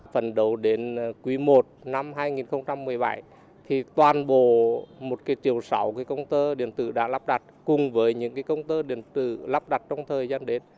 phần đầu đến quý i năm hai nghìn một mươi bảy toàn bộ một chiều sáu công tơ điện tử đã lắp đặt cùng với những công tơ điện tử lắp đặt trong thời gian đến